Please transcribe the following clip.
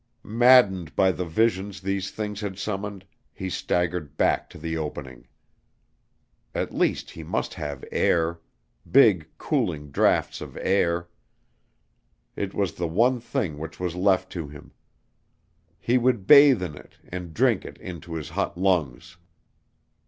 Maddened by the visions these things had summoned, he staggered back to the opening. At least he must have air big, cooling draughts of air. It was the one thing which was left to him. He would bathe in it and drink it into his hot lungs.